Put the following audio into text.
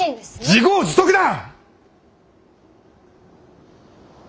自業自得だ！